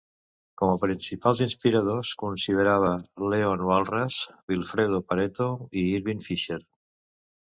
Com a principals inspiradors, considerava Leon Walras, Wilfredo Pareto i Irving Fisher.